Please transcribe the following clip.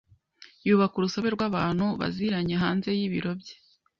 Yubaka urusobe rwabantu baziranye hanze yibiro bye.